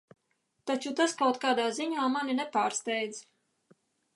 Taču tas kaut kāda ziņā mani nepārsteidz.